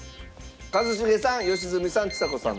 一茂さん良純さんちさ子さん。